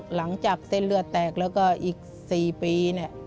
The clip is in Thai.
หลังจากเส้นเลือดแตกแล้วก็อีก๔ปีเนี่ย